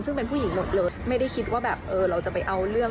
ซึ่งเป็นผู้หญิงหมดเลยไม่ได้คิดว่าแบบเออเราจะไปเอาเรื่อง